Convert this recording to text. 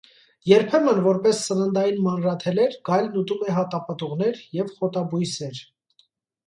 Երբեմն, որպես սննդային մանրաթելեր, գայլն ուտում է հատապտուղներ և խոտաբույսեր։